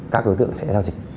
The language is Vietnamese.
các đối tượng sẽ giao dịch